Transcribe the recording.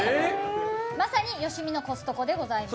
まさに吉見のコストコでございます。